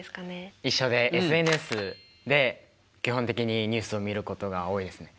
一緒でＳＮＳで基本的にニュースを見ることが多いですね。